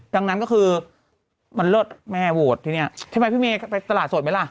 ดังนั้นก็คือมันเริ่ดแม่โหวร์ดทีเนี้ยอะไรพี่แม่ไปตลาดโสดไหมล่ะ